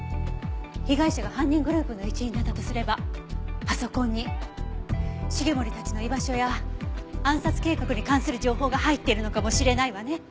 被害者が犯人グループの一員だったとすればパソコンに繁森たちの居場所や暗殺計画に関する情報が入っているのかもしれないわね。